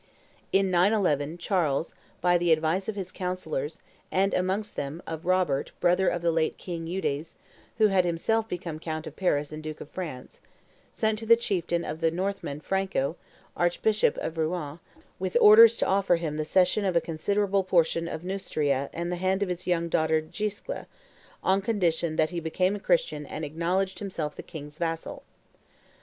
In 911, Charles, by the advice of his councillors, and, amongst them, of Robert, brother of the late king, Eudes, who had himself become count of Paris and duke of France, sent to the chieftain of the Northmen Franco, archbishop of Rouen, with orders to offer him the cession of a considerable portion of Neustria and the hand of his young daughter Giscle, on condition that he became a Christian and acknowledged himself the king's vassal.